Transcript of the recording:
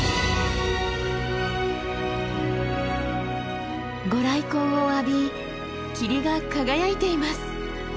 ご来光を浴び霧が輝いています。